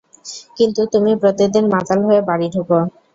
কিন্তু তুমি প্রতিদিন মাতাল হয়ে বাড়ি ঢোকো।